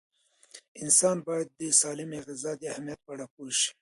انسان باید د سالمې غذا د اهمیت په اړه پوه شي.